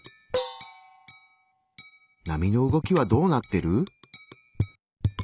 波の動きはどうなってる？